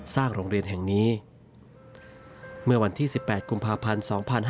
โรงเรียนแห่งนี้เมื่อวันที่๑๘กุมภาพันธ์๒๕๕๙